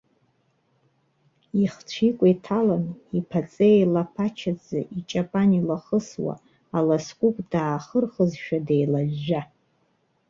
Ихцәы икәа иҭаланы, иԥаҵа еилаԥаҭа иҷапан илахысуа, аласкәыгә даахырхызшәа деилажәжәа.